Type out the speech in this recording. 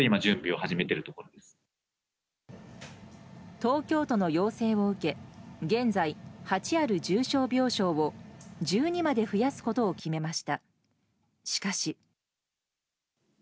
東京都の要請を受け現在、８ある重症病床を１２まで増やすことを決めました。